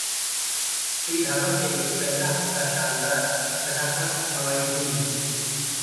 सुई धागा के लिए पहला हफ्ता शानदार, पटाखा की कमाई धीमी